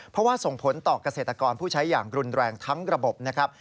เพราะว่าส่งผลต่อเกษตรกรผู้ใช้อย่างรุนแรงทั้งระบบนะครับ